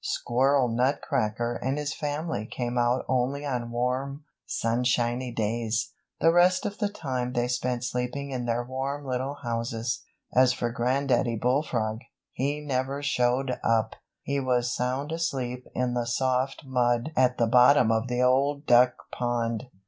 Squirrel Nutcracker and his family came out only on warm, sunshiny days. The rest of the time they spent sleeping in their warm little houses. As for Granddaddy Bullfrog, he never showed up he was sound asleep in the soft mud at the bottom of the Old Duck Pond.